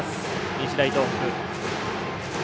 日大東北。